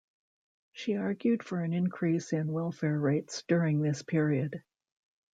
She argued for an increase in welfare rates during this period.